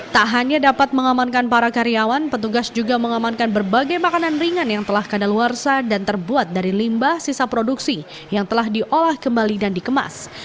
tak hanya dapat mengamankan para karyawan petugas juga mengamankan berbagai makanan ringan yang telah kadaluarsa dan terbuat dari limbah sisa produksi yang telah diolah kembali dan dikemas